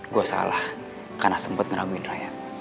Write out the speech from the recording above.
gue salah karena sempat ngeraguin raya